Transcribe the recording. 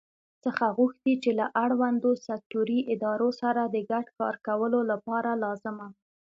څخه غوښتي چې له اړوندو سکټوري ادارو سره د ګډ کار کولو لپاره لازمه